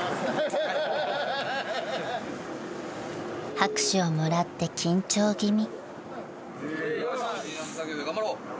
［拍手をもらって緊張気味］